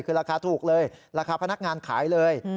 คือราคาถูกเลยราคาพนักงานขายเลย